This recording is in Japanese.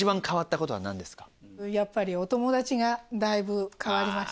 やっぱりお友達がだいぶ変わりましたね。